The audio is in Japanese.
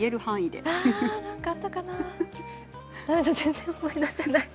だめだ全然思い出せない。